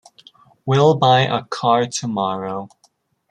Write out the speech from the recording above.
We'll buy a car to-morrow.